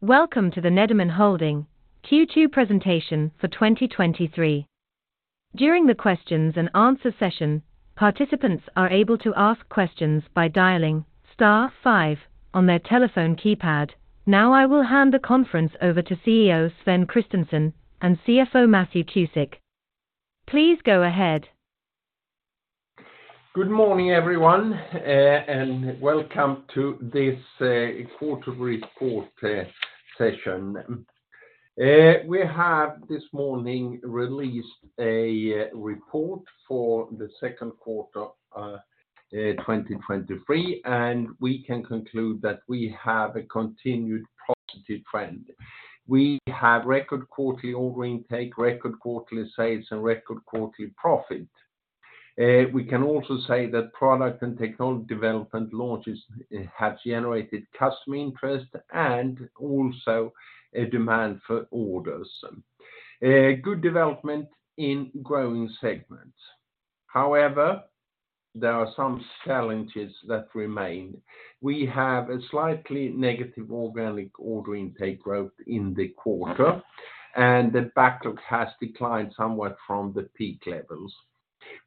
Welcome to the Nederman Holding Q2 Presentation For 2023. During the questions and answer session, participants are able to ask questions by dialing star five on their telephone keypad. Now, I will hand the conference over to CEO Sven Kristensson, and CFO Matthew Cusick. Please go ahead. Good morning, everyone, and welcome to this quarter report session. We have this morning released a report for the Q2 2023, and we can conclude that we have a continued positive trend. We have record quarterly order intake, record quarterly sales, and record quarterly profit. We can also say that product and technology development launches have generated customer interest and also a demand for orders. Good development in growing segments. However, there are some challenges that remain. We have a slightly negative organic order intake growth in the quarter, and the backlog has declined somewhat from the peak levels.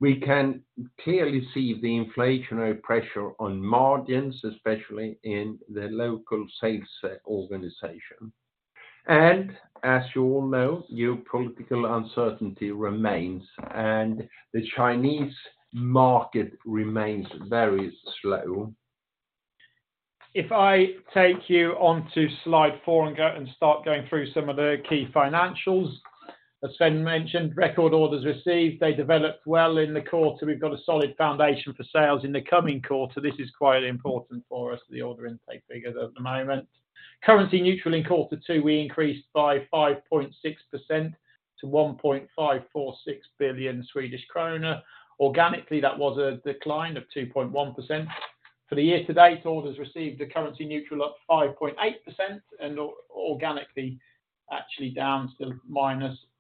We can clearly see the inflationary pressure on margins, especially in the local sales organization. As you all know, geopolitical uncertainty remains, and the Chinese market remains very slow. If I take you on to slide four and start going through some of the key financials. As Sven mentioned, record orders received, they developed well in the quarter. We've got a solid foundation for sales in the coming quarter. This is quite important for us, the order intake figures at the moment. Currency neutral in Q2, we increased by 5.6% to 1.546 billion Swedish krona. Organically, that was a decline of 2.1%. For the year-to-date, orders received are currency neutral at 5.8% and organically actually down to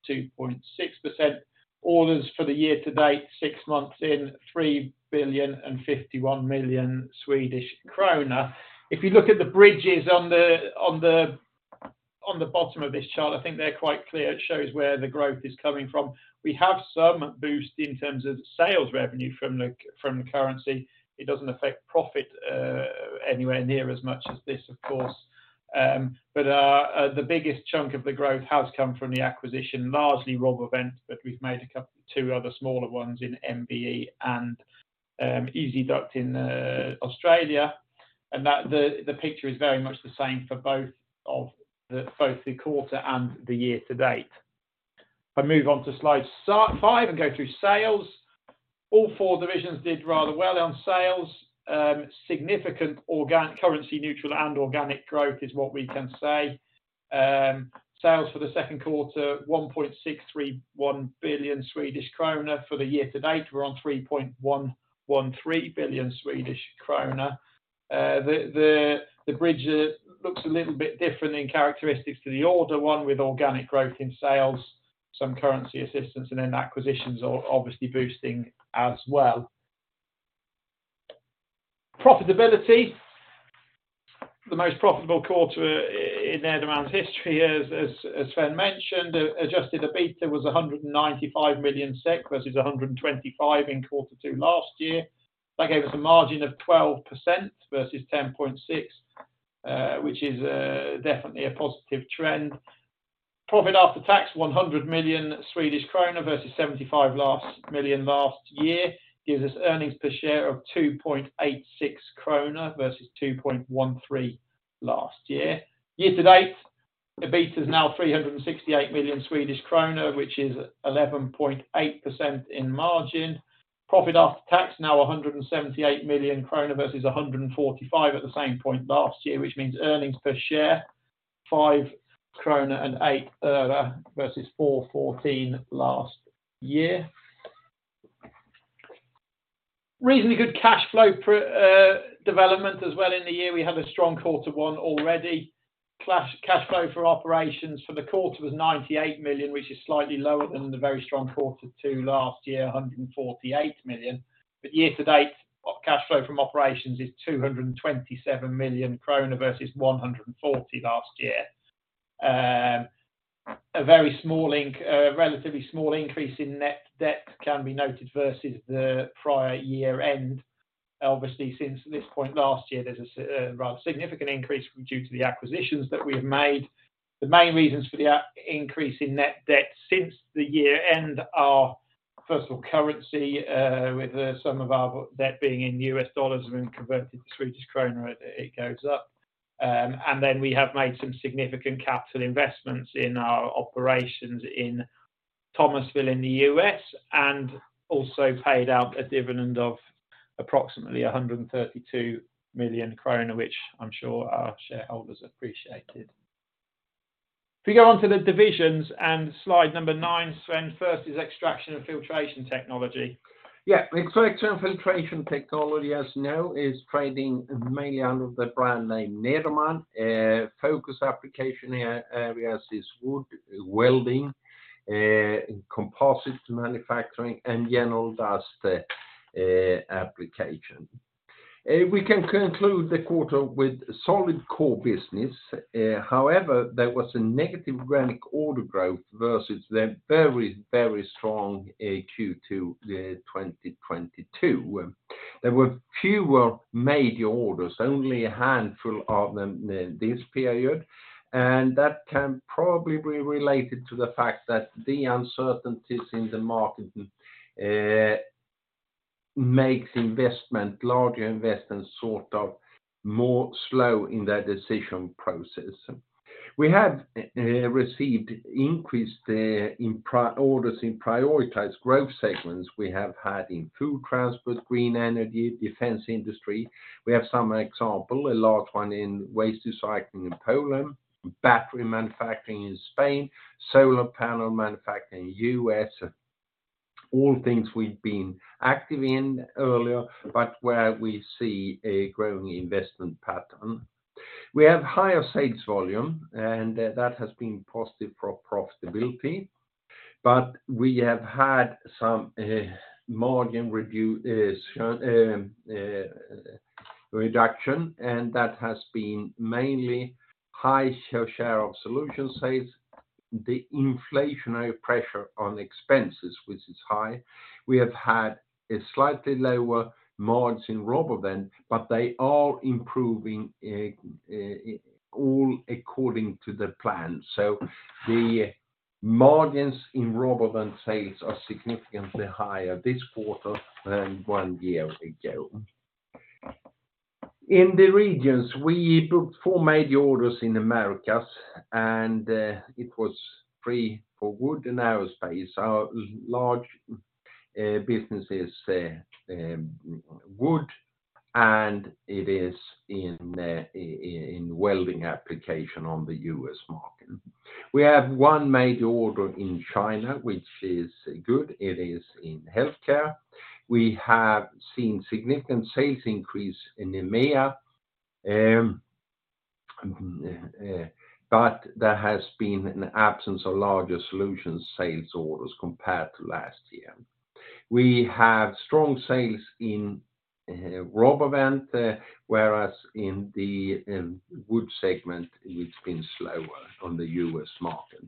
-2.6%. Orders for the year-to-date, 6 months in, 3.051 billion. If you look at the bridges on the bottom of this chart, I think they're quite clear. It shows where the growth is coming from. We have some boost in terms of sales revenue from the currency. It doesn't affect profit anywhere near as much as this, of course. The biggest chunk of the growth has come from the acquisition, largely RoboVent, but we've made a couple, two other smaller ones in MBE and Ezi-Duct in Australia. The picture is very much the same for both the quarter and the year-to-date. If I move on to slide five and go through sales. All four divisions did rather well on sales. Significant currency neutral and organic growth is what we can say. Sales for the Q2, 1.631 billion Swedish kronor for the year-to-date, we're on 3.113 billion Swedish kronor. The bridge looks a little bit different in characteristics to the order, one with organic growth in sales, some currency assistance, and acquisitions are obviously boosting as well. Profitability, the most profitable quarter in Nederman's history, as Sven mentioned, adjusted EBITDA was 195 million SEK, versus 125 million in Q2 last year. That gave us a margin of 12% versus 10.6%, which is definitely a positive trend. Profit after tax, 100 million Swedish krona versus 75 million last year, gives us earnings per share of 2.86 krona versus 2.13 last year. year-to-date, EBITDA is now 368 million Swedish krona, which is 11.8% in margin. Profit after tax, now 178 million krona versus 145 million at the same point last year, which means earnings per share, 5.08 krona versus 4.14 last year. Reasonably good cash flow development as well in the year. We had a strong quarter one already. Cash flow for operations for the quarter was 98 million, which is slightly lower than the very strong Q2 last year, 148 million. Year-to-date, cash flow from operations is 227 million krona versus 140 million last year. A relatively small increase in net debt can be noted versus the prior year end. Obviously, since this point last year, there's a rather significant increase due to the acquisitions that we have made. The main reasons for the increase in net debt since the year end are, first of all, currency, with some of our debt being in U.S. dollars and converted to Swedish krona, it goes up. We have made some significant capital investments in our operations in Thomasville, in the U.S., and also paid out a dividend of approximately 132 million kronor, which I'm sure our shareholders appreciated. If we go on to the divisions and slide number nine, Sven, first is Extraction and Filtration Technology. Extraction and filtration technology, as you know, is trading mainly under the brand name Nederman. Focus application areas is wood, welding, composites manufacturing, and general dust application. We can conclude the quarter with solid core business. However, there was a negative organic order growth versus the very, very strong Q2 2022, where there were fewer major orders, only a handful of them this period, and that can probably be related to the fact that the uncertainties in the market makes investment, larger investments, sort of more slow in their decision process. We have received increased orders in prioritized growth segments we have had in food transport, green energy, defense industry. We have some example, a large one in waste recycling in Poland, battery manufacturing in Spain, solar panel manufacturing in U.S., all things we've been active in earlier, but where we see a growing investment pattern. We have higher sales volume, that has been positive for profitability, but we have had some margin reduction, and that has been mainly high share of solution sales, the inflationary pressure on expenses, which is high. We have had a slightly lower margins in RoboVent, but they are improving all according to the plan. The margins in RoboVent sales are significantly higher this quarter than one year ago. In the regions, we booked four major orders in Americas, it was three for wood and aerospace. Our large business is wood, and it is in welding application on the US market. We have one major order in China, which is good. It is in healthcare. We have seen significant sales increase in EMEA, but there has been an absence of larger solution sales orders compared to last year. We have strong sales in RoboVent, whereas in the wood segment, it's been slower on the US market.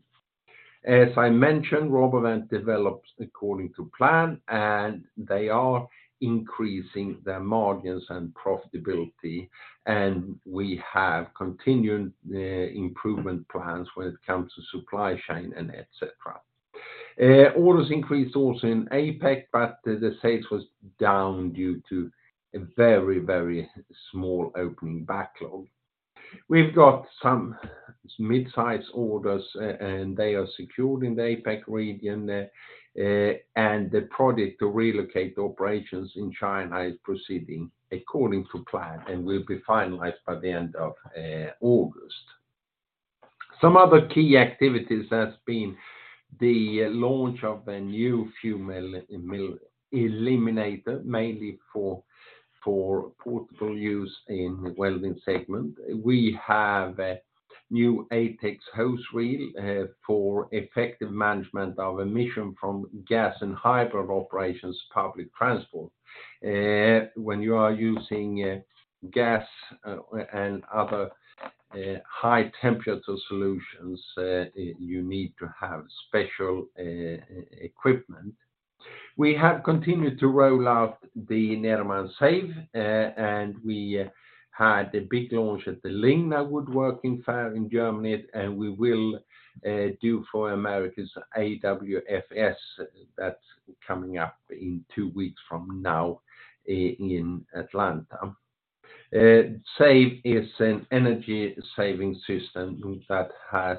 As I mentioned, RoboVent develops according to plan, and they are increasing their margins and profitability, and we have continued improvement plans when it comes to supply chain and et cetera. Orders increased also in APAC, but the sales was down due to a very, very small opening backlog. We've got some mid-size orders, they are secured in the APAC region, the project to relocate operations in China is proceeding according to plan, will be finalized by the end of August. Some other key activities has been the launch of a new Fume Eliminator, mainly for portable use in welding segment. We have a new ATEX hose reel for effective management of emission from gas and hybrid operations, public transport. When you are using gas and other high temperature solutions, you need to have special equipment. We have continued to roll out the Nederman SAVE, we had a big launch at the LIGNA woodworking fair in Germany, we will do for America's AWFS. That's coming up in two weeks from now, in Atlanta. SAVE is an energy saving system that has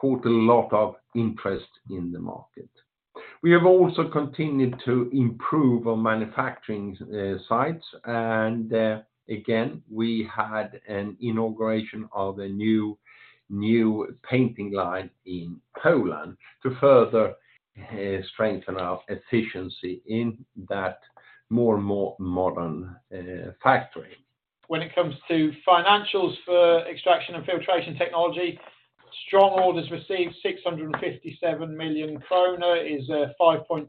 caught a lot of interest in the market. We have also continued to improve our manufacturing sites, and again, we had an inauguration of a new painting line in Poland to further strengthen our efficiency in that more and more modern factory. When it comes to financials for Extraction & Filtration Technology, strong orders received, 657 million kronor is a 5.2%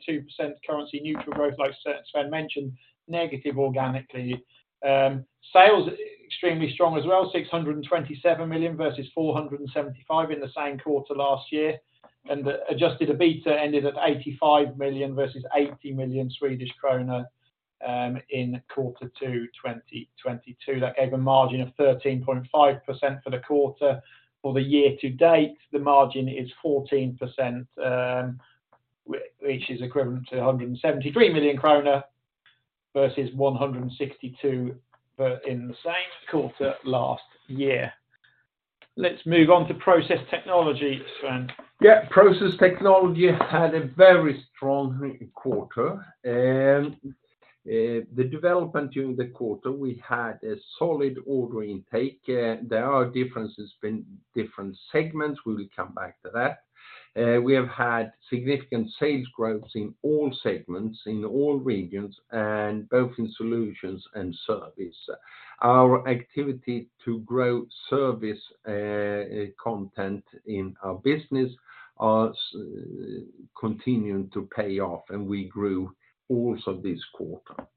currency neutral growth, like Sven mentioned, negative organically. Sales extremely strong as well, 627 million versus 475 million in the same quarter last year. Adjusted EBITDA ended at 85 million versus 80 million Swedish kronor in Q2, 2022. That gave a margin of 13.5% for the quarter. For the year-to-date, the margin is 14%, which is equivalent to 173 million kronor versus 162 million in the same quarter last year. Let's move on to Process Technology, Sven. Process Technology had a very strong quarter, and the development during the quarter, we had a solid order intake. There are differences between different segments. We will come back to that. We have had significant sales growths in all segments, in all regions, and both in solutions and service. Our activity to grow service content in our business are continuing to pay off, and we grew also this quarter.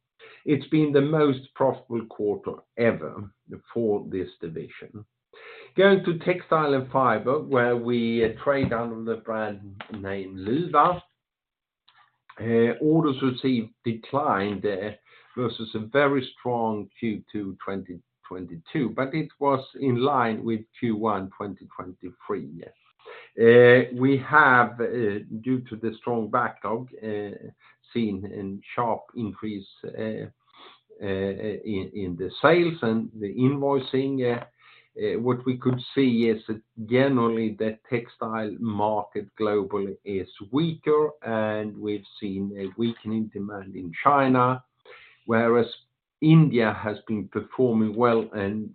It's been the most profitable quarter ever for this division. Going to Textile and Fiber, where we trade under the brand name Luwa, orders received declined versus a very strong Q2 2022, it was in line with Q1 2023. We have, due to the strong backlog, seen a sharp increase in the sales and the invoicing. What we could see is that generally, the textile market globally is weaker, and we've seen a weakening demand in China, whereas India has been performing well and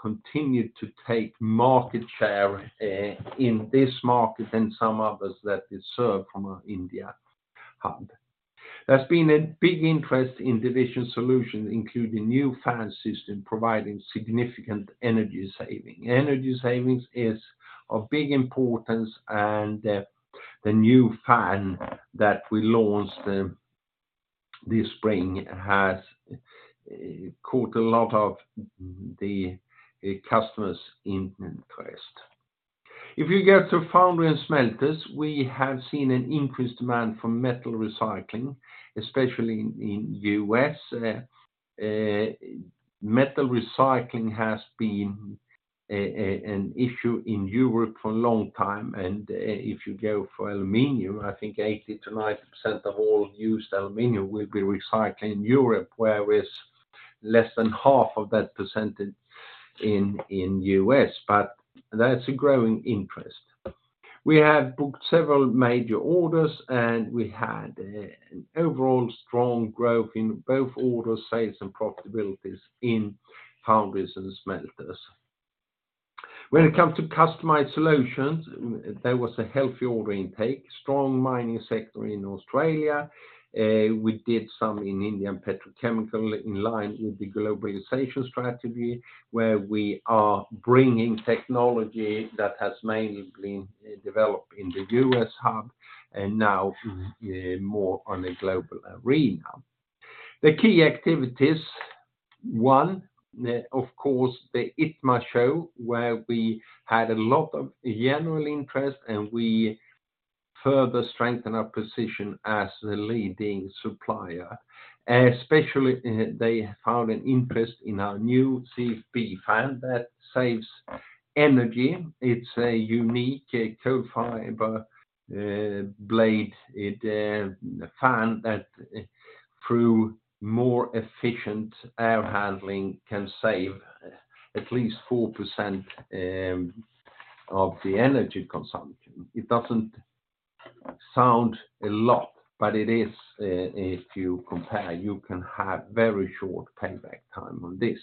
continued to take market share in this market and some others that is served from our India hub. There's been a big interest in division solution, including new fan system, providing significant energy saving. Energy savings is of big importance, the new fan that we launched this spring has caught a lot of the customers interest. If you get to foundry and smelters, we have seen an increased demand for metal recycling, especially in U.S. Metal recycling has been an issue in Europe for a long time, and if you go for aluminum, I think 80%-90% of all used aluminum will be recycled in Europe, whereas less than half of that percentage in U.S., but that's a growing interest. We have booked several major orders, and we had an overall strong growth in both order, sales, and profitabilities in foundries and smelters. When it comes to customized solutions, there was a healthy order intake, strong mining sector in Australia. We did some in Indian petrochemical, in line with the globalization strategy, where we are bringing technology that has mainly been developed in the U.S. hub, and now more on a global arena. The key activities, one, of course, the ITMA show, where we had a lot of general interest. We further strengthen our position as the leading supplier, especially, they found an interest in our new NCF fan that saves energy. It's a unique carbon fiber blade. It, a fan that through more efficient air handling, can save at least 4% of the energy consumption. It doesn't sound a lot, but it is, if you compare, you can have very short payback time on this.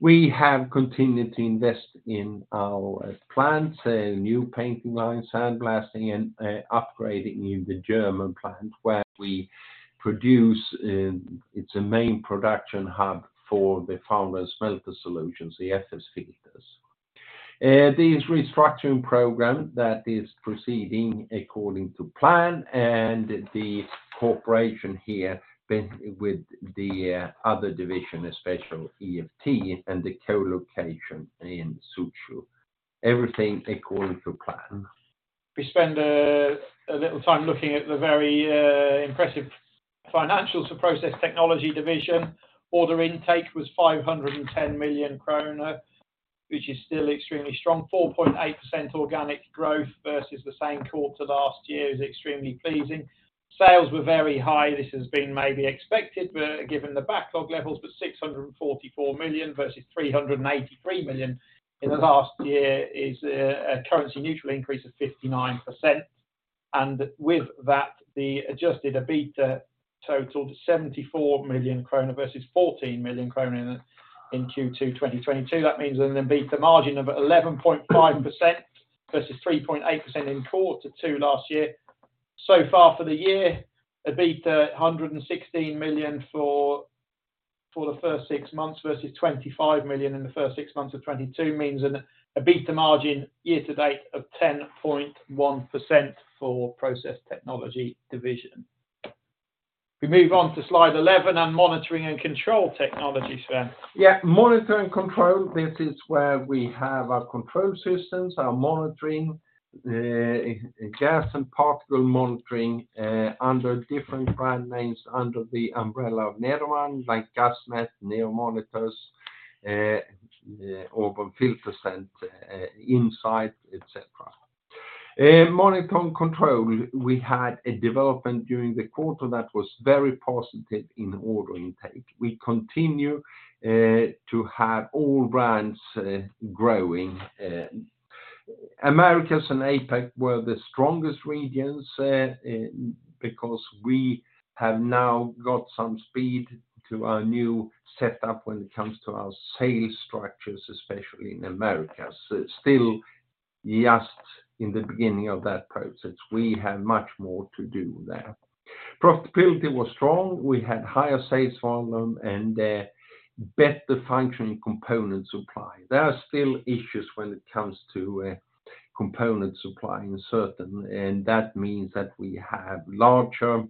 We have continued to invest in our plants, a new painting line, sandblasting, and upgrading in the German plant, where we produce, it's a main production hub for the foundry smelter solutions, the FS filters. This restructuring program that is proceeding according to plan and the cooperation here, been with the other division, especially EFT and the co-location in Suzhou. Everything according to plan. We spend a little time looking at the very impressive financials for Process Technology Division. Order intake was 510 million kronor, which is still extremely strong. 4.8% organic growth versus the same quarter last year is extremely pleasing. Sales were very high. This has been maybe expected, but given the backlog levels 644 million versus 383 million in the last year is a currency neutral increase of 59%. With that, the adjusted EBITDA totaled 74 million kronor versus 14 million kronor in Q2 2022. That means an EBITDA margin of 11.5% versus 3.8% in Q2 last year. So far for the year, EBITDA, 116 million for the first six months versus 25 million in the first six months of 2022, means an EBITDA margin year-to-date of 10.1% for Process Technology Division. We move on to slide 11 on Monitoring and Control Technology, then. Yeah, Monitoring and Control, this is where we have our control systems, our monitoring, gas and particle monitoring, under different brand names, under the umbrella of Nederman, like Gasmet, NEO Monitors, or FilterSense, Insight, et cetera. Monitoring and Control, we had a development during the quarter that was very positive in order intake. We continue to have all brands growing. Americas and APAC were the strongest regions, because we have now got some speed to our new setup when it comes to our sales structures, especially in Americas. Still, just in the beginning of that process, we have much more to do there. Profitability was strong. We had higher sales volume and better functioning component supply. There are still issues when it comes to component supply uncertain. That means that we have larger,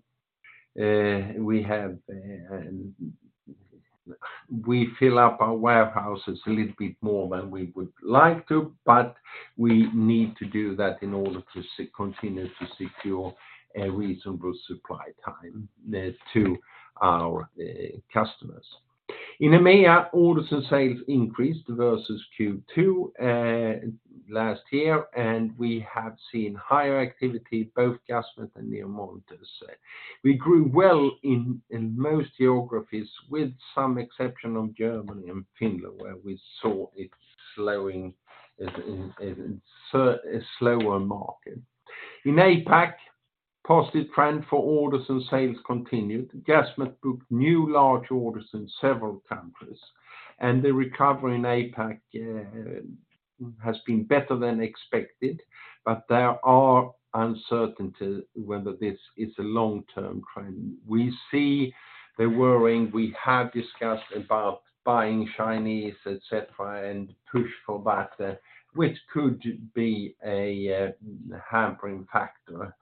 we fill up our warehouses a little bit more than we would like to, but we need to do that in order to continue to secure a reasonable supply time to our customers. In EMEA, orders and sales increased versus Q2 last year. We have seen higher activity, both Gasmet and NEO Monitors. We grew well in most geographies, with some exception of Germany and Finland, where we saw it slowing in a slower market. In APAC, positive trend for orders and sales continued. Gasmet booked new large orders in several countries. The recovery in APAC has been better than expected. There are uncertainties whether this is a long-term trend. We see the worrying, we have discussed about buying Chinese, et cetera, and push for that, which could be a hampering factor.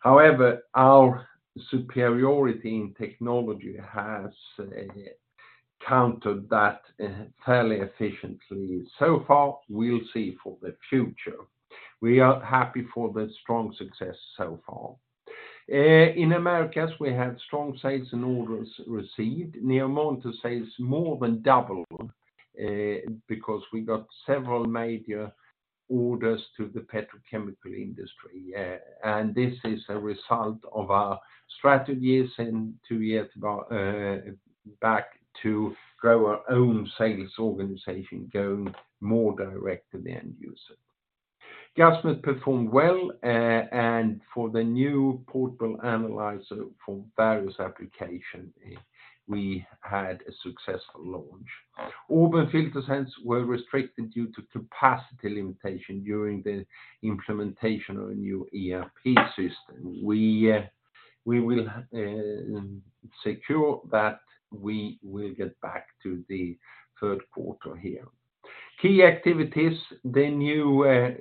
However, our superiority in technology has countered that fairly efficiently so far. We'll see for the future. We are happy for the strong success so far. In Americas, we had strong sales and orders received. NEO Monitors sales more than doubled because we got several major orders to the petrochemical industry, and this is a result of our strategies in two years back to grow our own sales organization, going more direct to the end user. Gasmet performed well, and for the new portable analyzer for various application, we had a successful launch. Auburn FilterSense were restricted due to capacity limitation during the implementation of a new ERP system. We will secure that we will get back to the Q3 here. Key activities, the new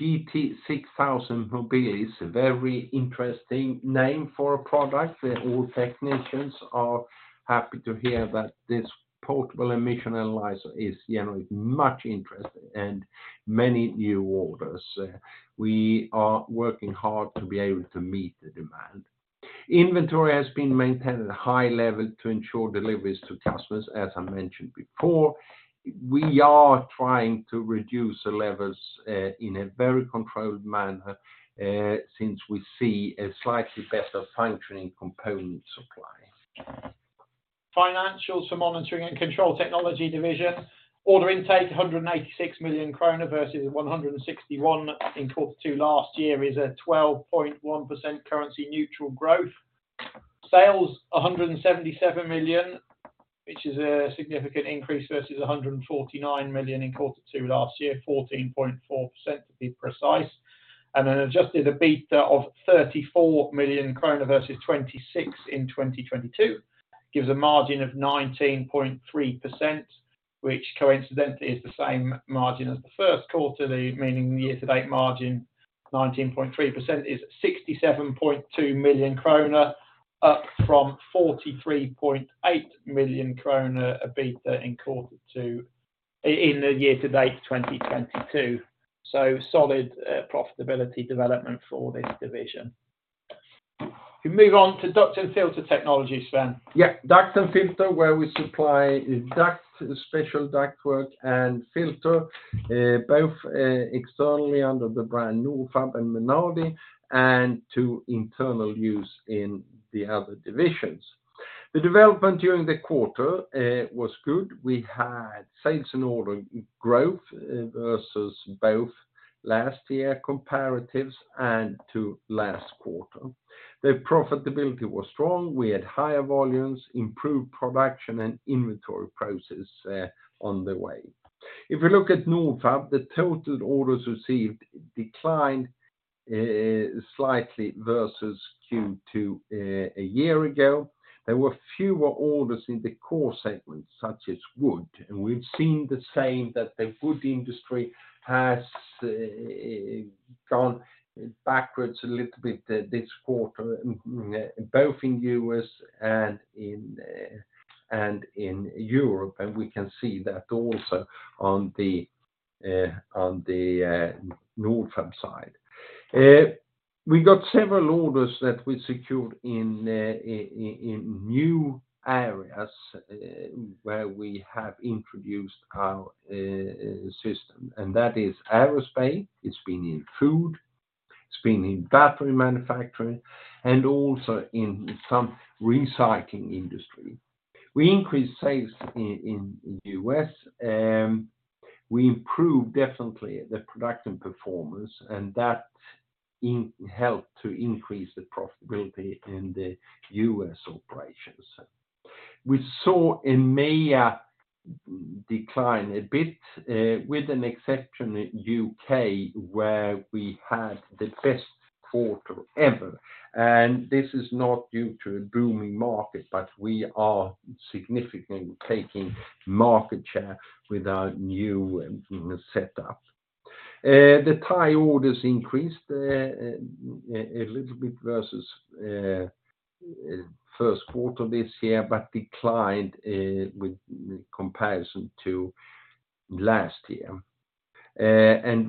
GT6000 Mobilis is a very interesting name for a product. All technicians are happy to hear that this portable emission analyzer is, you know, much interest and many new orders. We are working hard to be able to meet the demand. Inventory has been maintained at a high level to ensure deliveries to customers, as I mentioned before. We are trying to reduce the levels in a very controlled manner, since we see a slightly better functioning component supply. Financials for Monitoring and Control Technology division. Order intake, 186 million kronor versus 161 million in Q2 last year is a 12.1% currency neutral growth. Sales, 177 million, which is a significant increase versus 149 million in Q2 last year, 14.4%, to be precise, and an adjusted EBITDA of 34 million krona versus 26 million in 2022, gives a margin of 19.3%, which coincident is the same margin as the Q1, meaning the year-to-date margin, 19.3%, is 67.2 million kronor, up from 43.8 million kronor EBITDA in Q2, in the year-to-date 2022. Solid profitability development for this division. We move on to Duct & Filter Technology, Sven. Duct & Filter Technology, where we supply duct, special ductwork and filter, both externally under the brand Nordfab and Menardi, and to internal use in the other divisions. The development during the quarter was good. We had sales and order growth versus both last year comparatives and to last quarter. The profitability was strong. We had higher volumes, improved production and inventory process on the way. If you look at Nordfab, the total orders received declined slightly versus Q2 a year ago. There were fewer orders in the core segments, such as wood, and we've seen the same, that the wood industry has gone backwards a little bit this quarter, both in U.S. and in Europe, and we can see that also on the Nordfab side. We got several orders that we secured in new areas, where we have introduced our system. That is aerospace, it's been in food, it's been in battery manufacturing, also in some recycling industry. We increased sales in the U.S. We improved definitely the production performance, that helped to increase the profitability in the U.S. operations. We saw in EMEA decline a bit, with an exception in the U.K., where we had the best quarter ever. This is not due to a booming market, but we are significantly taking market share with our new setup. The Thai orders increased a little bit versus Q1 this year, declined with comparison to last year.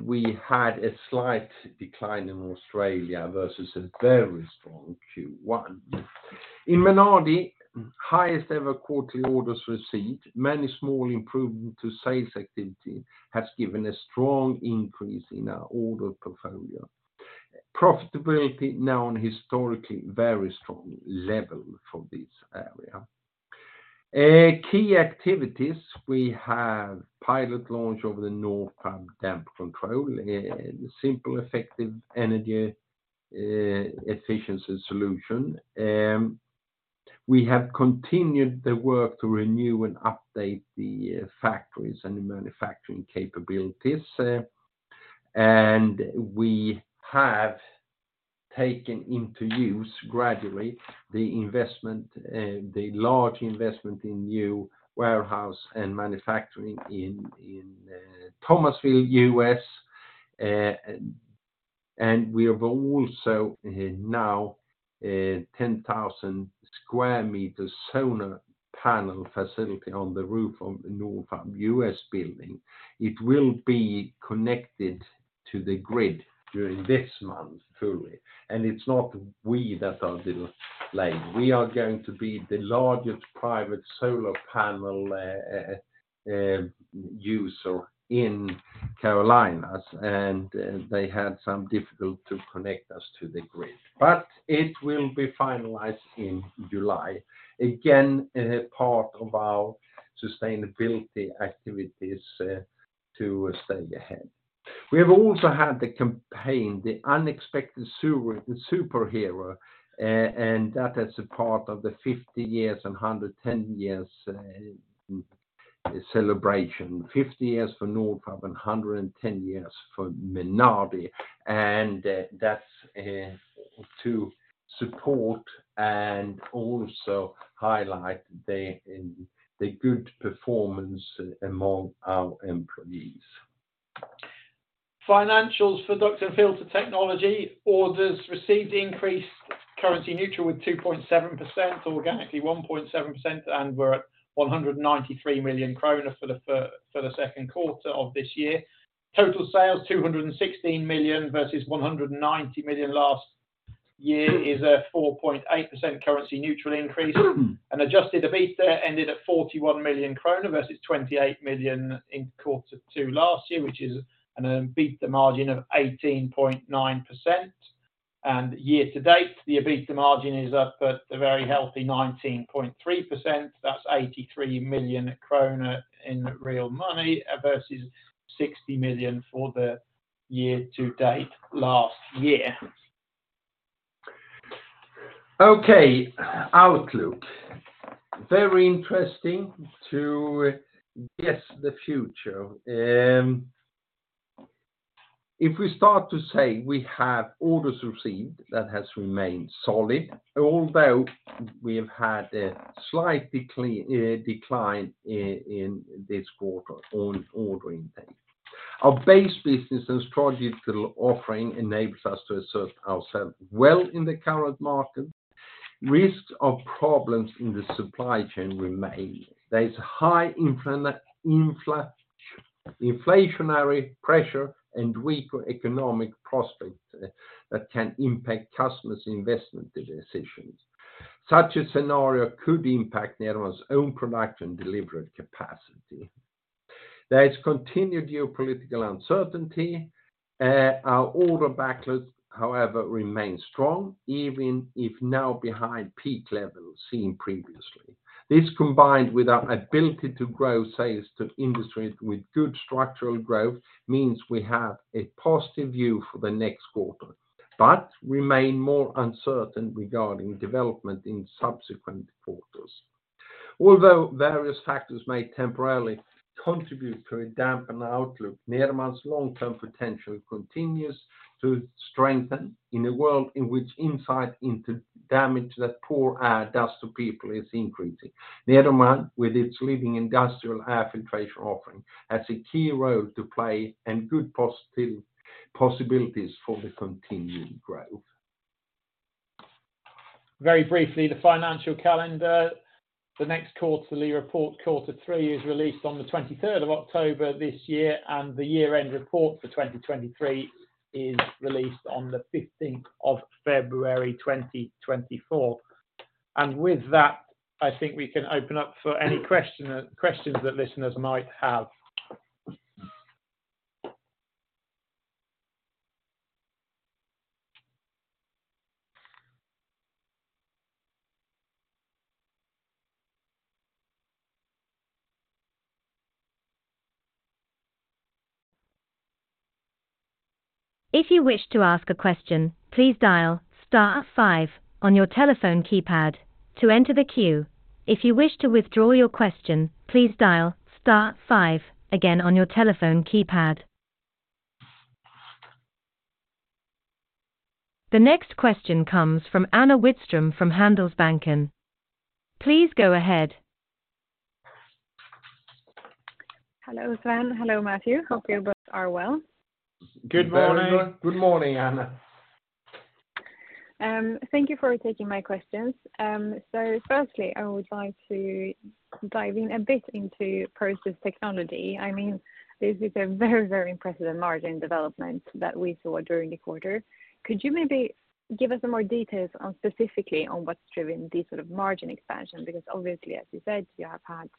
We had a slight decline in Australia versus a very strong Q1. In Menardi, highest ever quarterly orders received. Many small improvement to sales activity has given a strong increase in our order portfolio. Profitability now on historically very strong level for this area. Key activities, we have pilot launch of the Nordfab Damper Control, a simple, effective energy efficiency solution. We have continued the work to renew and update the factories and manufacturing capabilities, and we have taken into use gradually the investment, the large investment in new warehouse and manufacturing in Thomasville, U.S. We have also now a 10,000 square meter solar panel facility on the roof of the Nordfab U.S. building. It will be connected to the grid during this month, fully. It's not we that are a little late. We are going to be the largest private solar panel user in Carolinas. They had some difficult to connect us to the grid. It will be finalized in July. Again, a part of our sustainability activities to stay ahead. We have also had the campaign, The Unexpected Superhero. That as a part of the 50 years and 110 years celebration. 50 years for Nordfab, 110 years for Menardi. That's to support, and also highlight the good performance among our employees. Financials for Duct and Filter Technology. Orders received increased currency neutral with 2.7%, organically 1.7%, and we're at 193 million kronor for the Q2 of this year. Total sales, 216 million, versus 190 million last year, is a 4.8% currency neutral increase. Adjusted EBITDA ended at 41 million kronor, versus 28 million in Q2 last year, which is an EBITDA margin of 18.9%. Year-to-date, the EBITDA margin is up at a very healthy 19.3%. That's 83 million kronor in real money, versus 60 million for the year-to-date last year. Okay, outlook. Very interesting to guess the future. If we start to say we have orders received, that has remained solid, although we have had a slight decline in this quarter on ordering date. Our base business and strategic offering enables us to assert ourself well in the current market. Risks of problems in the supply chain remain. There is high inflationary pressure and weaker economic prospects that can impact customers' investment decisions. Such a scenario could impact Nederman's own production delivery capacity. There is continued geopolitical uncertainty. Our order backlogs, however, remain strong, even if now behind peak levels seen previously. This, combined with our ability to grow sales to industries with good structural growth, means we have a positive view for the next quarter, but remain more uncertain regarding development in subsequent quarters. Although various factors may temporarily contribute to a dampened outlook, Nederman's long-term potential continues to strengthen in a world in which insight into damage that poor air does to people is increasing. Nederman, with its leading industrial air filtration offering, has a key role to play and good positive possibilities for the continuing growth. Very briefly, the financial calendar. The next quarterly report, Q3, is released on the 23rd of October this year. The year-end report for 2023 is released on the 15th of February, 2024. With that, I think we can open up for any questions that listeners might have. If you wish to ask a question, please dial star five on your telephone keypad to enter the queue. If you wish to withdraw your question, please dial star five again on your telephone keypad. The next question comes from Anna Widström from Handelsbanken. Please go ahead. Hello, Sven. Hello, Matthew. Hope you both are well. Good morning. Good morning, Anna. Thank you for taking my questions. Firstly, I would like to dive in a bit into Process Technology. I mean, this is a very, very impressive margin development that we saw during the quarter. Could you maybe give us some more details on, specifically, on what's driven this sort of margin expansion? Obviously, as you said, you have had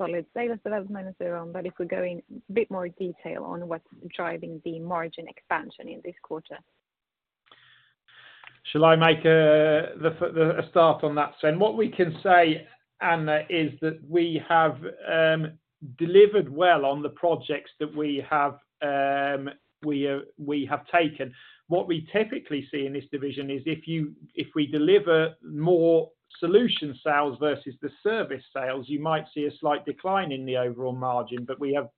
solid sales development as well, but if we go in a bit more detail on what's driving the margin expansion in this quarter. Shall I make a start on that, Sven? What we can say, Anna, is that we have delivered well on the projects that we have taken. What we typically see in this division is if we deliver more solution sales versus the service sales, you might see a slight decline in the overall margin, we have,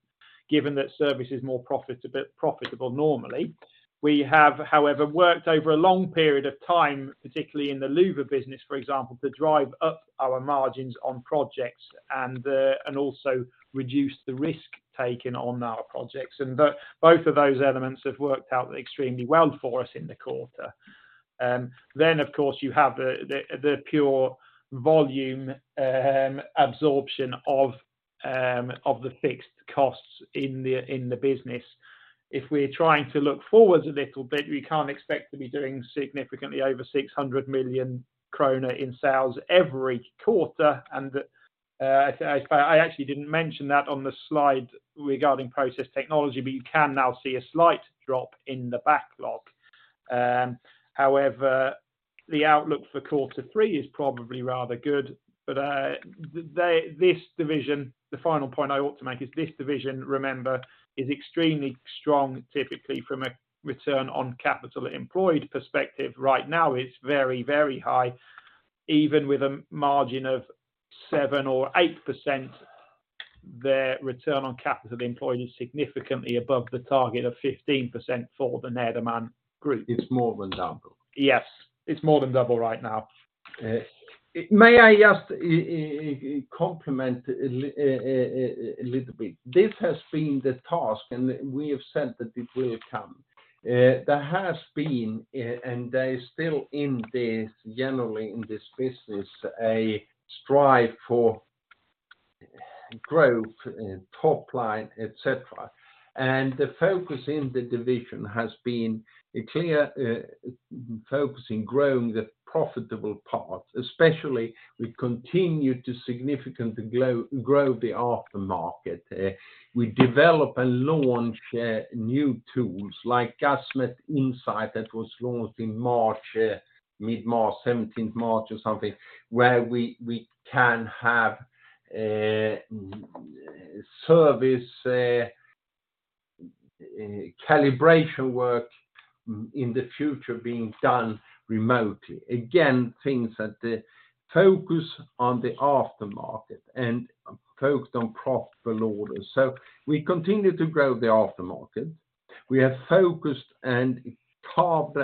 given that service is more profitable normally. We have, however, worked over a long period of time, particularly in the Luwa business, for example, to drive up our margins on projects and also reduce the risk taken on our projects. Both of those elements have worked out extremely well for us in the quarter. Of course, you have the pure volume absorption of the fixed costs in the business. If we're trying to look forwards a little bit, we can't expect to be doing significantly over 600 million kronor in sales every quarter. I actually didn't mention that on the slide regarding Process Technology, but you can now see a slight drop in the backlog. However, the outlook for Q3 is probably rather good. This division, the final point I ought to make is, this division, remember, is extremely strong, typically from a return on capital employed perspective. Right now, it's very, very high. Even with a margin of 7% or 8%, their return on capital employed is significantly above the target of 15% for the net amount. Great. It's more than double. Yes, it's more than double right now. May I just compliment a little bit? This has been the task, and we have said that it will come. There has been, and there is still in this, generally in this business, a strive for growth, top line, et cetera. The focus in the division has been a clear focus in growing the profitable part, especially we continue to significantly grow the aftermarket. We develop and launch new tools like Gasmet Insight, that was launched in March, mid-March, 17th March or something, where we can have a service calibration work in the future being done remotely. Again, things that focus on the aftermarket and focused on profitable orders. We continue to grow the aftermarket. We have focused and carved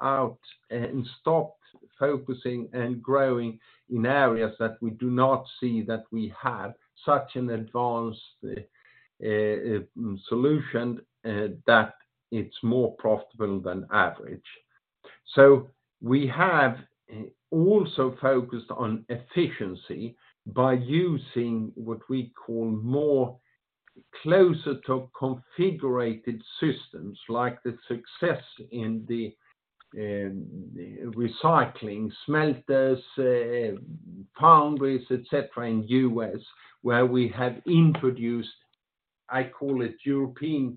out and stopped focusing and growing in areas that we do not see that we have such an advanced solution that it's more profitable than average. We have also focused on efficiency by using what we call more closer to configurated systems, like the success in the recycling, smelters, foundries, et cetera, in U.S., where we have introduced, I call it European,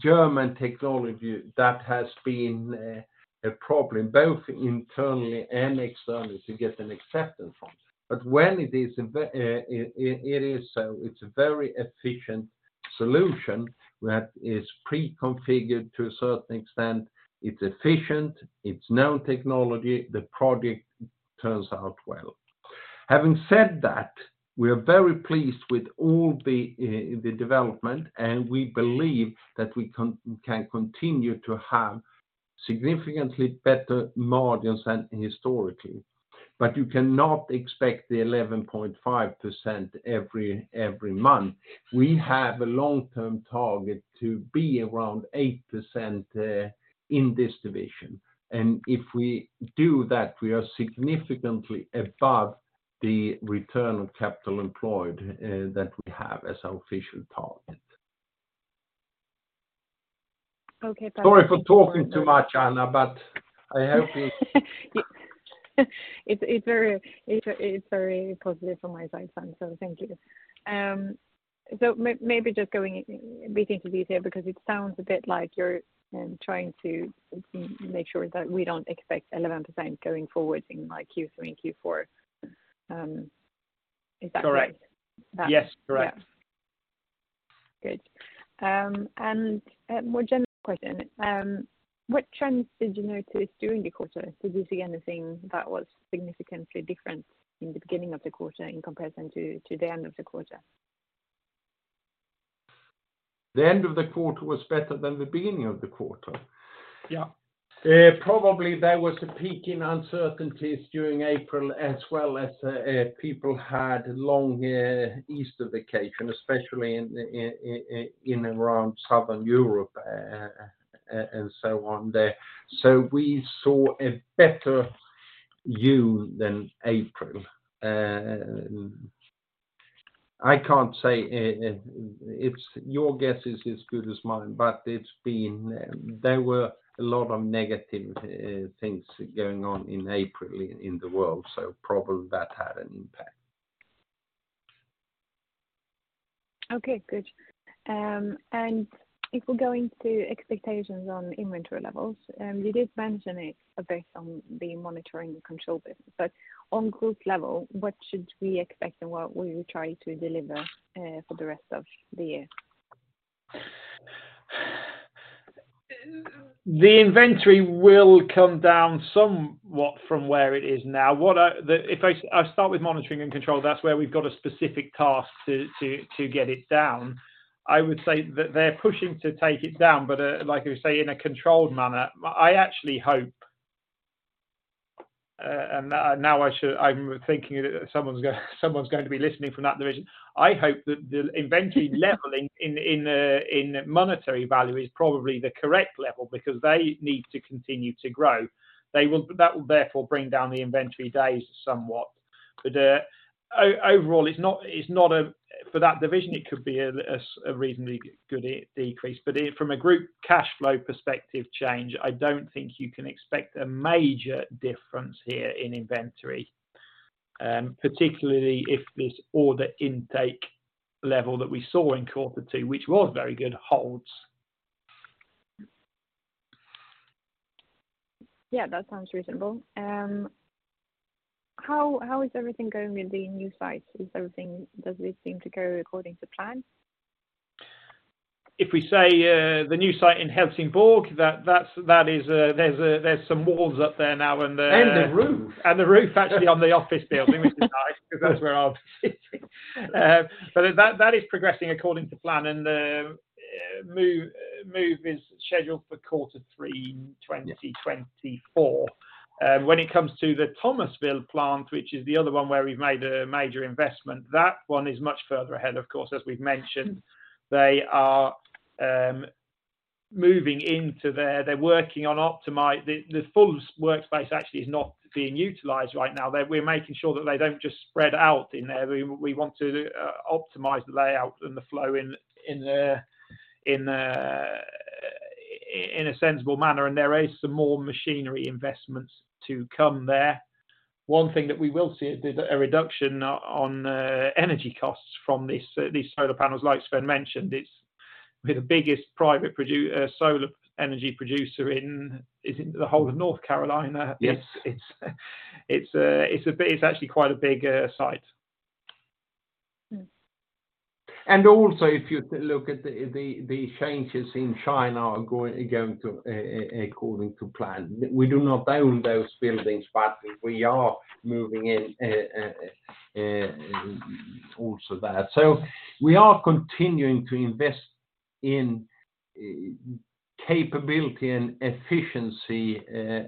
German technology. That has been a problem both internally and externally to get an acceptance from. When it's a very efficient solution that is preconfigured to a certain extent, it's efficient, it's known technology, the project turns out well. Having said that, we are very pleased with all the development, and we believe that we can continue to have significantly better margins than historically. You cannot expect the 11.5% every month. We have a long-term target to be around 8% in this division, and if we do that, we are significantly above the return on capital employed that we have as our official target. Okay. Sorry for talking too much, Anna, but I hope it's. It's very positive from my side, Sven, thank you. Maybe just going a bit into detail, because it sounds a bit like you're trying to make sure that we don't expect 11% going forward in, like, Q3 and Q4. Is that correct? Correct. Yeah. Yes, correct. Good. A more general question, what trends did you notice during the quarter? Did you see anything that was significantly different in the beginning of the quarter in comparison to the end of the quarter? The end of the quarter was better than the beginning of the quarter. Yeah. Probably there was a peak in uncertainties during April, as well as people had long Easter vacation, especially in and around Southern Europe and so on there. We saw a better June than April. I can't say, your guess is as good as mine, but it’s been. There were a lot of negative things going on in April in the world, probably that had an impact. Okay, good. If we go into expectations on inventory levels, you did mention it a bit on the Monitoring and Control business, but on group level, what should we expect and what will you try to deliver for the rest of the year? The inventory will come down somewhat from where it is now. If I start with Monitoring and Control, that's where we've got a specific task to get it down. I would say that they're pushing to take it down. Like you say, in a controlled manner. I actually hope. Now I'm thinking that someone's going to be listening from that division. I hope that the inventory level in monetary value is probably the correct level because they need to continue to grow. That will therefore bring down the inventory days somewhat. Overall, it's not for that division, it could be a reasonably good decrease, but from a group cash flow perspective change, I don't think you can expect a major difference here in inventory, particularly if this order intake level that we saw in Q2, which was very good, holds. Yeah, that sounds reasonable. How is everything going with the new sites? Does it seem to go according to plan? If we say, the new site in Helsingborg, there's some walls up there now. A roof. A roof actually on the office building, which is nice because that's where I'll be sitting. That is progressing according to plan, and the move is scheduled for Q3 in 2024. When it comes to the Thomasville plant, which is the other one where we've made a major investment, that one is much further ahead, of course, as we've mentioned. They are moving into there. They're working on the full workspace actually is not being utilized right now. We're making sure that they don't just spread out in there. We want to optimize the layout and the flow in a sensible manner. There is some more machinery investments to come there. One thing that we will see is a reduction on the energy costs from these solar panels, like Sven mentioned it. We're the biggest private solar energy producer in, is it the whole of North Carolina? Yes. It's actually quite a big site. Yes. If you look at the changes in China are going according to plan. We do not own those buildings, we are moving in also there. We are continuing to invest in capability and efficiency,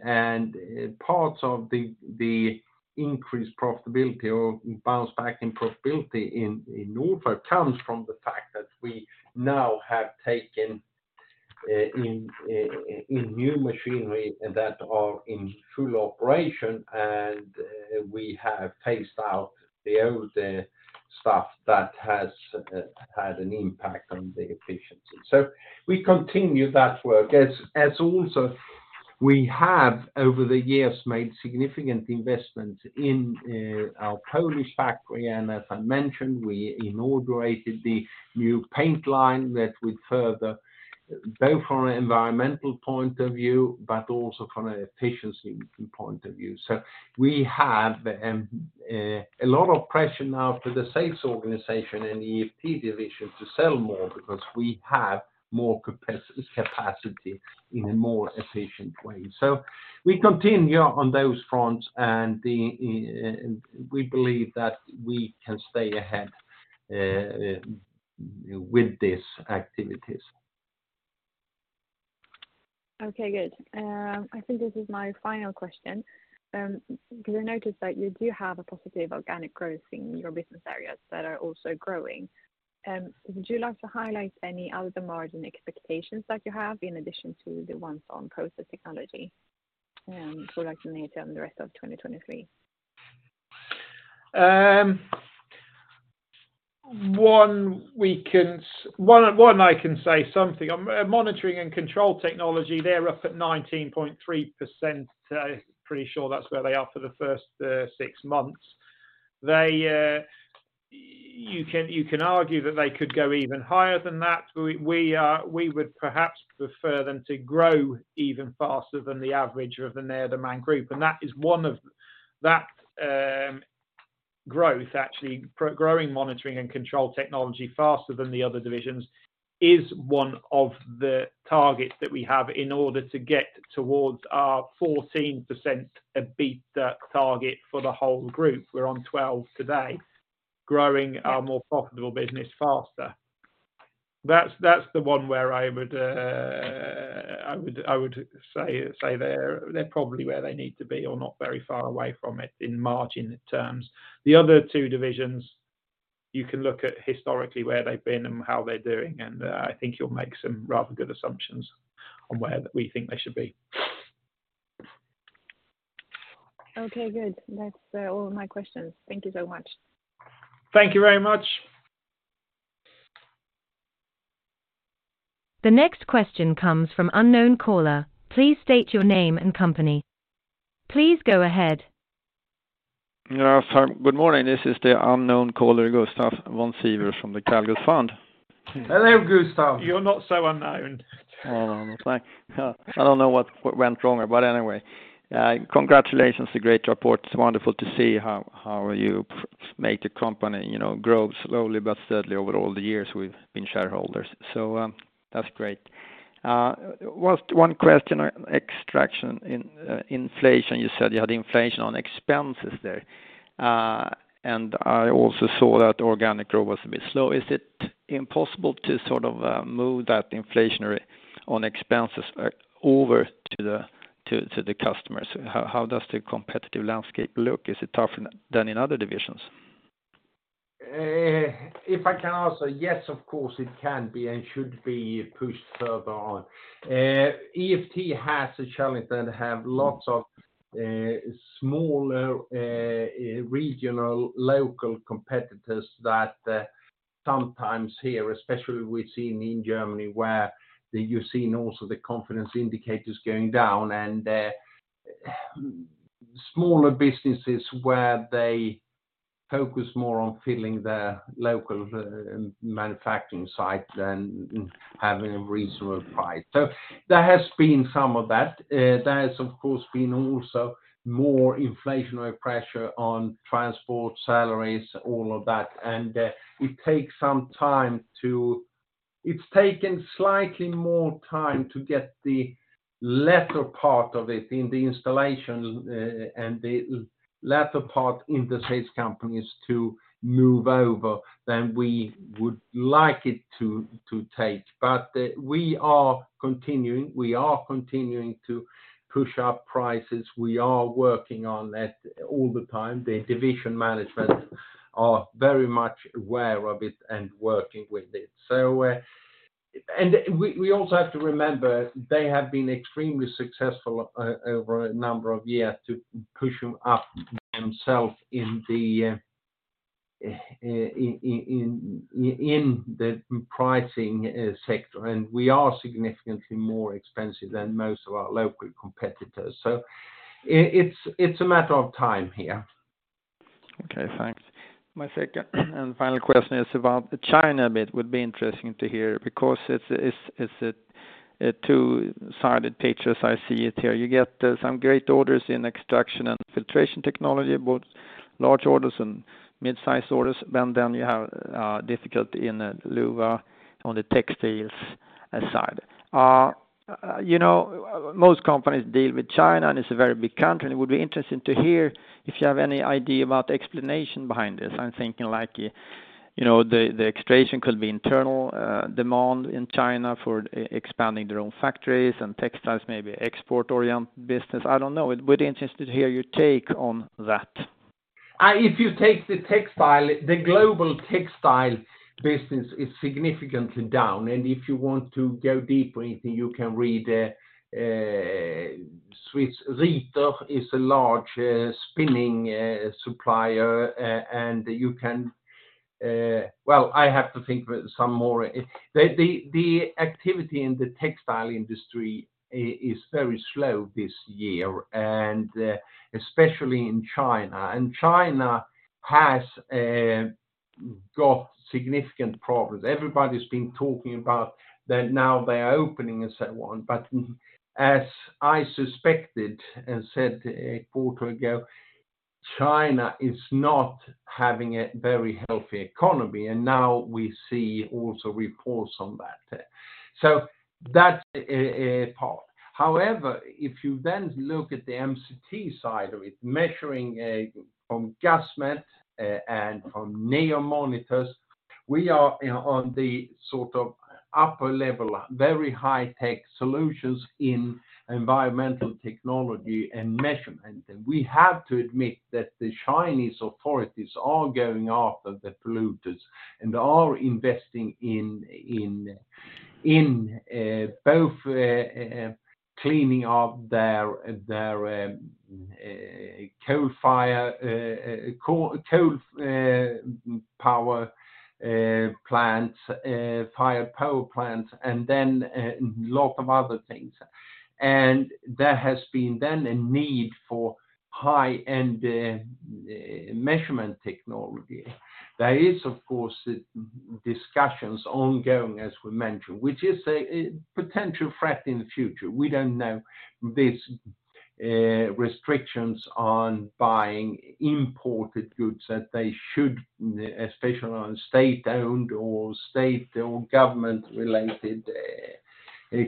and parts of the increased profitability or bounce back in profitability in Nordfab comes from the fact that we now have taken in new machinery and that are in full operation, and we have phased out the older stuff that has had an impact on the efficiency. We continue that work. As also we have, over the years, made significant investments in our Polish factory, and as I mentioned, we inaugurated the new paint line that would further, both from an environmental point of view, but also from an efficiency point of view. We have a lot of pressure now for the sales organization and E&FT division to sell more because we have more capacity in a more efficient way. We continue on those fronts, and we believe that we can stay ahead with these activities. Okay, good. I think this is my final question. We noticed that you do have a positive organic growth in your business areas that are also growing. Would you like to highlight any other margin expectations that you have in addition to the ones on Process Technology, for like later and the rest of 2023? One I can say something on. Monitoring and Control Technology, they're up at 19.3%. Pretty sure that's where they are for the first six months. You can argue that they could go even higher than that. We would perhaps prefer them to grow even faster than the average of the Nederman Group, and that is one of that growth, actually, growing Monitoring and Control Technology faster than the other divisions, is one of the targets that we have in order to get towards our 14% EBITDA target for the whole group. We're on 12 today, growing our more profitable business faster. That's the one where I would say they're probably where they need to be or not very far away from it in margin terms. The other two divisions, you can look at historically where they've been and how they're doing, and I think you'll make some rather good assumptions on where we think they should be. Okay, good. That's all my questions. Thank you so much. Thank you very much. The next question comes from unknown caller. Please state your name and company. Please go ahead. Yeah, sorry. Good morning. This is the unknown caller, Gustaf von Sivers from the Calgus Fund. Hello, Gustaf. You're not so unknown. Looks like. I don't know what went wrong. But anyway, congratulations, a great report. It's wonderful to see how you make the company, you know, grow slowly but steadily over all the years we've been shareholders. That's great. One question, extraction in inflation. You said you had inflation on expenses there, and I also saw that organic growth was a bit slow. Is it impossible to sort of move that inflationary on expenses over to the customers? How does the competitive landscape look? Is it tougher than in other divisions? If I can answer, yes, of course, it can be and should be pushed further on. EFT has a challenge that have lots of smaller regional, local competitors that sometimes here, especially we've seen in Germany, where you've seen also the confidence indicators going down and smaller businesses where they focus more on filling their local manufacturing site than having a reasonable price. There has been some of that. There has, of course, been also more inflationary pressure on transport, salaries, all of that. It's taken slightly more time to get the latter part of it in the installation and the latter part in the sales companies to move over than we would like it to take. We are continuing, we are continuing to push up prices. We are working on that all the time. The division management are very much aware of it and working with it. We also have to remember, they have been extremely successful over a number of years to push them up themselves in the pricing sector, and we are significantly more expensive than most of our local competitors. It's a matter of time here. Okay, thanks. My second and final question is about the China bit, would be interesting to hear, because it's a two-sided picture, as I see it here. You get some great orders in Extraction & Filtration Technology, both large orders and mid-size orders, but then you have difficulty in Luwa on the textiles side. You know, most companies deal with China. It's a very big country, and it would be interesting to hear if you have any idea about the explanation behind this. I'm thinking like, you know, the extraction could be internal demand in China for expanding their own factories and textiles, maybe export-oriented business. I don't know. It would be interested to hear your take on that. If you take the global textile business is significantly down, and if you want to go deeper into, you can read, Swiss Rieter is a large spinning supplier. Well, I have to think about some more. The activity in the textile industry is very slow this year, especially in China. China has got significant problems. Everybody's been talking about that now they are opening and so on. But, as I suspected and said a quarter ago, China is not having a very healthy economy, and now we see also reports on that. That's a part. If you then look at the MCT side of it, measuring from Gasmet and from NEO Monitors, we are on the sort of upper level, very high-tech solutions in environmental technology and measurement. We have to admit that the Chinese authorities are going after the polluters and are investing in both cleaning up their coal fire coal power plants fire power plants, and then a lot of other things. There has been then a need for high-end measurement technology. There is, of course, discussions ongoing, as we mentioned, which is a potential threat in the future. We don't know this restrictions on buying imported goods that they should, especially on state-owned or state or government-related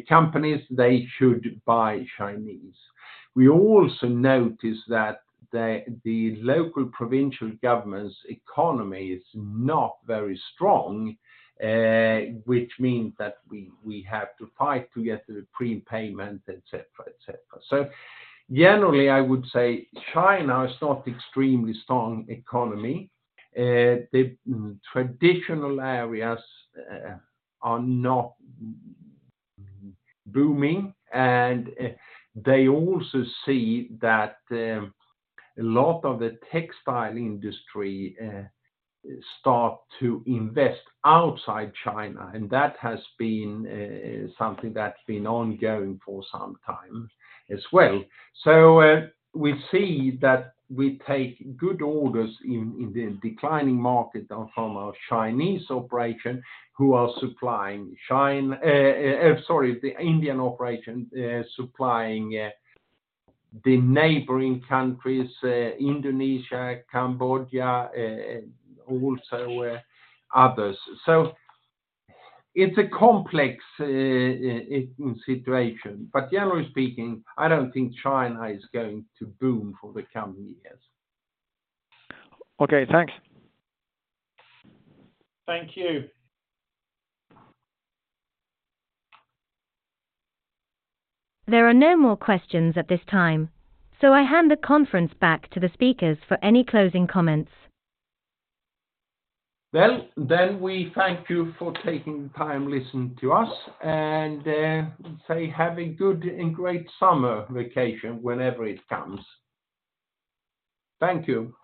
companies, they should buy Chinese. We also notice that the local provincial government's economy is not very strong, which means that we have to fight to get the prepayment, et cetera, et cetera. Generally, I would say China is not extremely strong economy. The traditional areas are not booming, and they also see that a lot of the textile industry start to invest outside China, and that has been something that's been ongoing for some time as well. We see that we take good orders in the declining market from our Chinese operation, who are supplying, sorry, the Indian operation, supplying the neighboring countries, Indonesia, Cambodia, and also others. It's a complex situation, but generally speaking, I don't think China is going to boom for the coming years. Okay, thanks. Thank you. There are no more questions at this time, so I hand the conference back to the speakers for any closing comments. Well, we thank you for taking the time to listen to us, and say have a good and great summer vacation whenever it comes. Thank you!